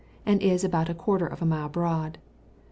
and is about a quarter of a mile broad.